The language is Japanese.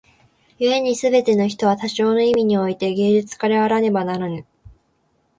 故に凡ての人は多少の意味に於て芸術家であらねばならぬ。